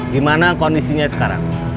gimana kondisinya sekarang